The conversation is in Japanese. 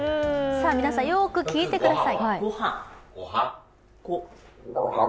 皆さん、よーく聞いてください。